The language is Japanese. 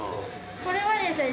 これはですね。